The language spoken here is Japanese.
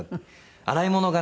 洗い物がね